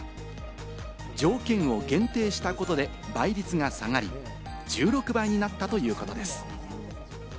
条件を限定したことで倍率が下がり、１６倍になったということです。